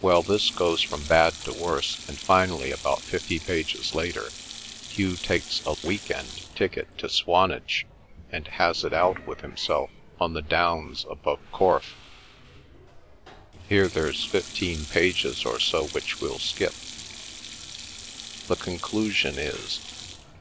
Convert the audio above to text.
(Well, this goes from bad to worse, and finally about fifty pages later, Hugh takes a week end ticket to Swanage and 'has it out with himself on the downs above Corfe.' ... Here there's fifteen pages or so which we'll skip. The conclusion is